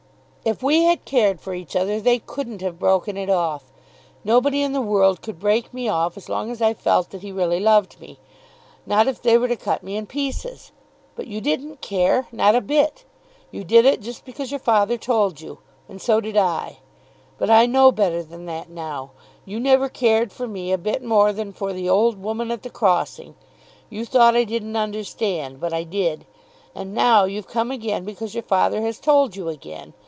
"If we had cared for each other they couldn't have broken it off. Nobody in the world could break me off as long as I felt that he really loved me; not if they were to cut me in pieces. But you didn't care, not a bit. You did it just because your father told you. And so did I. But I know better than that now. You never cared for me a bit more than for the old woman at the crossing. You thought I didn't understand; but I did. And now you've come again; because your father has told you again.